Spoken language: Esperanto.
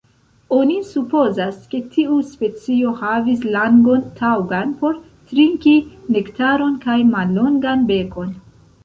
Oni supozas, ke tiu specio havis langon taŭgan por trinki Nektaron kaj mallongan bekon.